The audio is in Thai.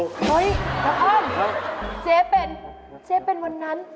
เฮ้ยนครเจ๊เป็นเจ๊เป็นวันนั้น